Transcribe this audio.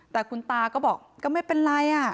แต่คุณตาก็บอกก็ไม่เป็นไร